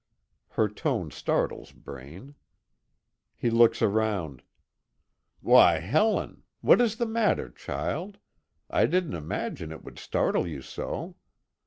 Her tone startles Braine. He looks around: "Why Helen! What is the matter, child, I didn't imagine it would startle you so.